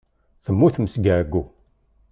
Temmutem seg ɛeyyu.